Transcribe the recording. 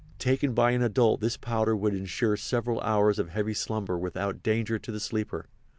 Taken by an adult this powder would insure several hours of heavy slumber without danger to the sleeper.